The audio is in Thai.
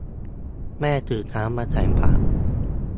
แม่ตื่นเช้ามาใส่บาตร